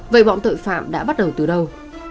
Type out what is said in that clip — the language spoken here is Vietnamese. vậy bọn tội phạm đã bắt đầu từ đâu